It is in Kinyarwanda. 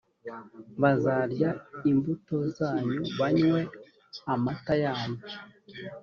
bazarya imbuto zanyu banywe n’amata yanyu